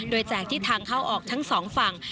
โดยแจกที่ทางเข้าออกทั้งสองฝั่ง